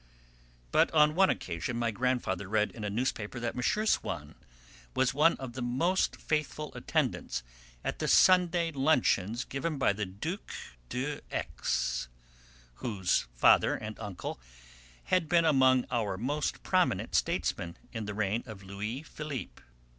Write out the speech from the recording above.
But on one occasion my grandfather read in a newspaper that M. Swann was one of the most faithful attendants at the Sunday luncheons given by the Duc de X , whose father and uncle had been among our most prominent statesmen in the reign of Louis Philippe.